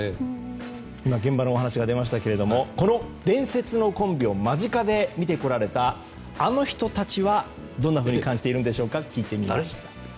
現場のお話が出ましたけど伝説のコンビを間近で見てこられたあの人たちはどんなふうに感じているんでしょうか。